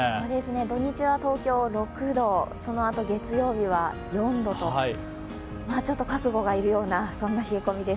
土日は東京、６度、そのあと月曜日は４度とちょっと覚悟が要るような冷え込みです。